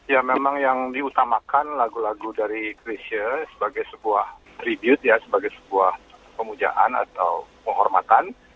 ya memang yang diutamakan lagu lagu dari chrisha sebagai sebuah rebute ya sebagai sebuah pemujaan atau penghormatan